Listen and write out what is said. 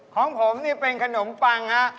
ของผมเป็นขนมปัง